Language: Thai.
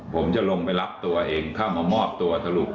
ผมจะลงไปรับตัวเองเข้ามามอบตัวสรุป